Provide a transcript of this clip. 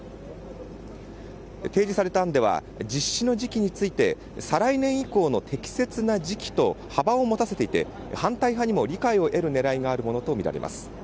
提示された案では実施の時期について再来年以降の適切な時期と幅を持たせていて反対派にも理解を得る狙いがあるものとみられます。